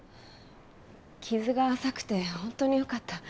傷が浅くて本当によかった。